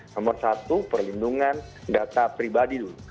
nomor satu perlindungan data pribadi dulu